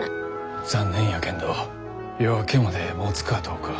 残念やけんど夜明けまでもつかどうか。